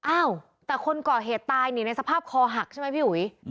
อ้าวแต่คนก่อเหตุตายนี่ในสภาพคอหักใช่ไหมพี่อุ๋ย